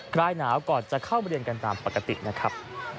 คลายหนาวก่อนจะเข้ามาเรียนกันตามปกตินะครับ